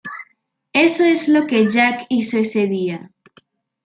Eso es lo que Jack hizo ese día".